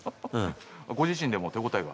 ご自身でも手応えが？